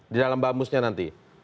di dalam bamusnya nanti